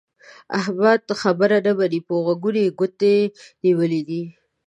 احمد خبره نه مني؛ په غوږو کې يې ګوتې نيولې دي.